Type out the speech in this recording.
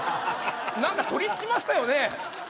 何かとりつきましたよね！